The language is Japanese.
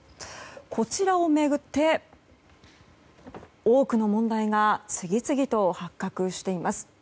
こちらを巡って多くの問題が次々と発覚しています。